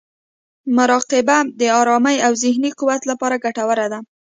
مراقبه د ارامۍ او ذهني قوت لپاره ګټوره ده.